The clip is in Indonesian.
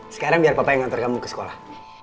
sekarang biar papa yang ngatur kamu ke sekolah